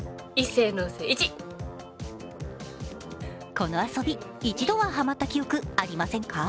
この遊び、一度はハマった記憶、ありませんか？